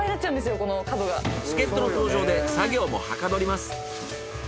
助っ人の登場で作業もはかどります。